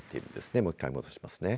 もう１回戻しますね。